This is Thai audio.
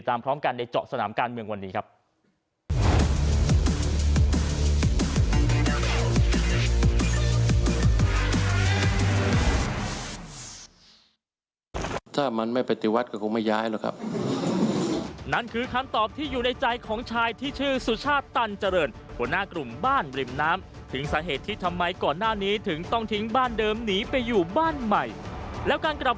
ถ้ามันไม่ไปติวัฒน์ก็คงไม่ย้ายหรอกครับ